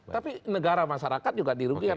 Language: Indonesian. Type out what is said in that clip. tapi negara masyarakat juga dirugikan